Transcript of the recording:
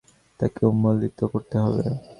তাকে উন্মূলিত করতে হবে।